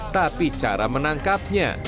tapi cara menangkapnya